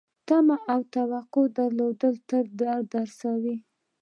تمه او توقع درلودل تل درد رسوي .